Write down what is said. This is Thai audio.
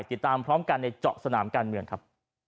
ติดตามพร้อมกันในเจาะสนามการเมืองครับ